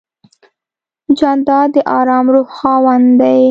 جانداد د آرام روح خاوند دی.